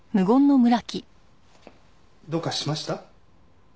どうかしました？